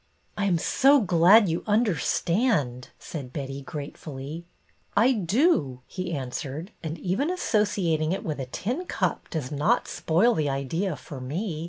" I am so glad you understand," said Betty, gratefully. " I do," he answered, " and even associating it with a ' tin cup ' does not spoil the idea for me.